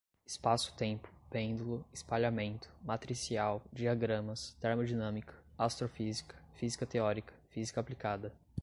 espaço-tempo, pêndulo, espalhamento, matricial, diagramas, termodinâmica, astrofísica, física teórica, física aplicada